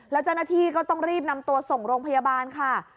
แล้วเจ้าหน้าที่ก็ต้องรีบนำตัวส่งโรงพยาบาลค่ะ